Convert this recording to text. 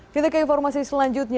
kita ke informasi selanjutnya